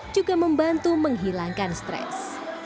juga membantu menghilangkan stres